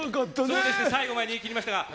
最後まで逃げ切りましたが。